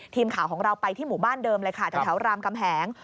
ทีมข่าวของเราไปที่หมู่บ้านเดิมเลยค่ะแถวรามกำแหง